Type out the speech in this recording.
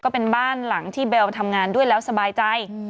ก็เป็นบ้านหลังที่เบลทำงานด้วยแล้วสบายใจ